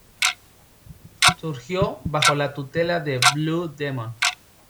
Surgió bajo la tutela de Blue Demon.